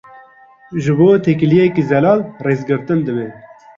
Ji bo têkiliyeke zelal, rêzgirtin divê.